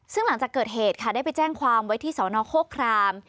ซึ่งหลังจากเกิดเหตุค่ะได้ไปแจ้งความไว้ที่สนโฆคราม